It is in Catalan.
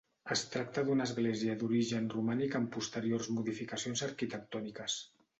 Es tracta d'una església d'origen romànic amb posteriors modificacions arquitectòniques.